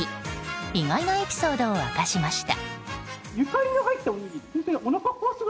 意外なエピソードを明かしました。